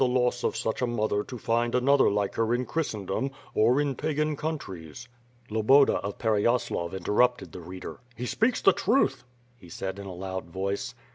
327 loss of such a mother to find another like her in Christendom, or in Pagan countries." Loboda of Pereyaslav interrupted the reader: "He speaks the truth," he said in a loud voice.